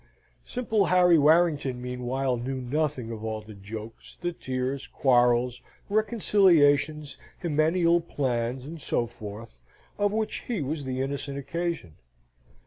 Simple Harry Warrington, meanwhile, knew nothing of all the jokes, the tears, quarrels, reconciliations, hymeneal plans, and so forth, of which he was the innocent occasion.